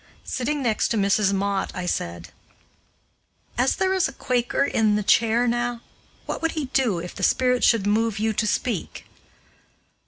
Sitting next to Mrs. Mott, I said: "As there is a Quaker in the chair now, what could he do if the spirit should move you to speak?"